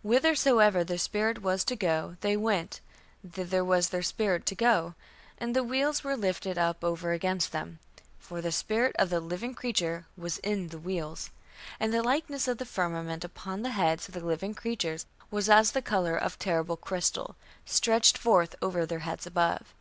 Whithersoever the spirit was to go, they went, thither was their spirit to go; and the wheels were lifted up over against them; for the spirit of the living creature was in the wheels.... And the likeness of the firmament upon the heads of the living creature was as the colour of terrible crystal, stretched forth over their heads above....